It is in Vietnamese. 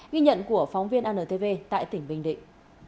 ghi nhận của phóng viên antv tại tỉnh bình định